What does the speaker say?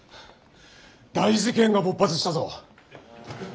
大事件が勃発したぞ！